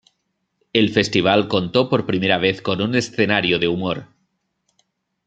El festival contó por primera vez con un escenario de humor.